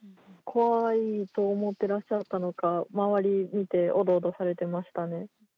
怖いと思ってらっしゃったのか、周り見て、おどおどされてました